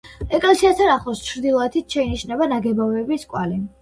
ეკლესიასთან ახლოს, ჩრდილოეთით, შეინიშნება ნაგებობების კვალი.